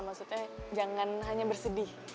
maksudnya jangan hanya bersedih